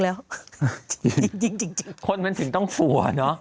แล้วคนถึงต้องกลัวเนอะ